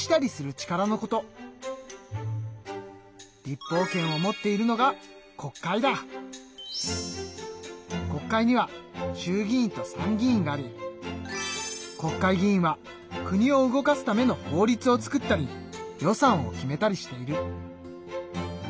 立法権を持っているのが国会には衆議院と参議院があり国会議員は国を動かすための法律を作ったり予算を決めたりしている。